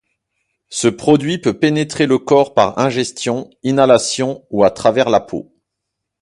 Ce produit peut pénétrer le corps par ingestion, inhalation ou à travers la peau.